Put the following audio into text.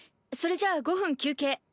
それじゃあ５分休憩。